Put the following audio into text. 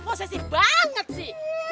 prosesif banget sih